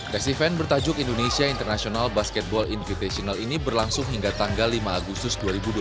tes event bertajuk indonesia international basketball invitational ini berlangsung hingga tanggal lima agustus dua ribu dua puluh